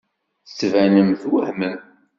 Tettbanem twehmem.